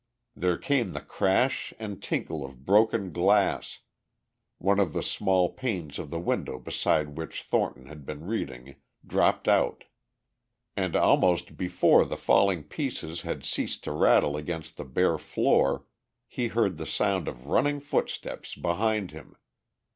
There came the crash and tinkle of broken glass, one of the small panes of the window beside which Thornton had been reading dropped out, and almost before the falling pieces had ceased to rattle against the bare floor he heard the sound of running footsteps behind him.